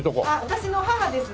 私の母です